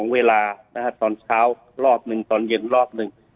๒เวลานะฮะตอนเช้ารอบนึงตอนเย็นรอบนึง